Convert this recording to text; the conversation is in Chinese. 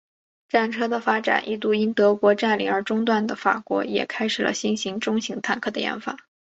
战车的发展一度因德国占领而中断的法国也开始了新型中型坦克的研发。